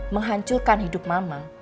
menghancurkan hidup mama